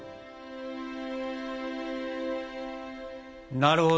なるほど。